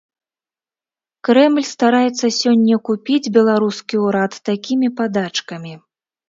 Крэмль стараецца сёння купіць беларускі ўрад такімі падачкамі.